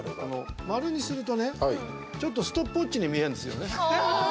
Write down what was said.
丸にするとねちょっとストップウォッチに見えるんですよね。